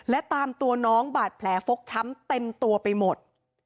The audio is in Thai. และตามตัวน้องบาดแผลฟกช้ำเต็มตัวไปหมด